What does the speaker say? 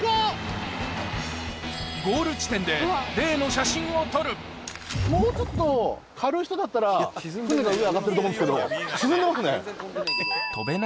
最高！を撮るもうちょっと軽い人だったら船が上上がってると思うんですけど沈んでますね。